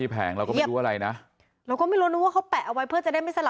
หัวตัวที่แผงก็ไม่รู้อะไรนะ